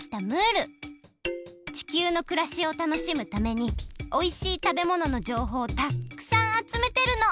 地球のくらしをたのしむためにおいしいたべもののじょうほうをたっくさんあつめてるの！